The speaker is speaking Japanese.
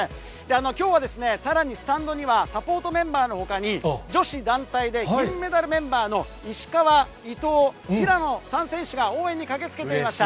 きょうは、さらにスタンドには、サポートメンバーのほかに、女子団体で銀メダルメンバーの石川、伊藤、平野３選手が応援に駆けつけていました。